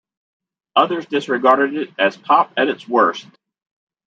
Others disregarded it as "pop at its worst".